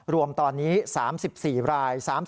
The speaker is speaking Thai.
รวมตอนนี้๓๔ราย